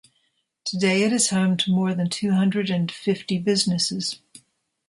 Today it is home to more than two hundred and fifty businesses.